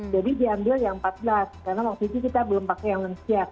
jadi diambil yang empat belas karena waktu itu kita belum pakai yang lengsia